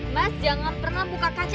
mas jangan pernah buka kaca